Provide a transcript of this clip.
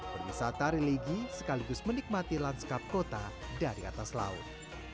berwisata religi sekaligus menikmati lanskap kota dari atas laut